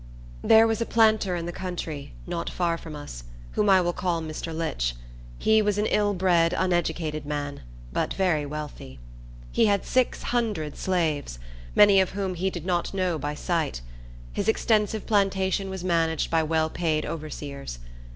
There was a planter in the country, not far from us, whom I will call Mr. Litch. He was an ill bred, uneducated man, but very wealthy. He had six hundred slaves, many of whom he did not know by sight. His extensive plantation was managed by well paid overseers.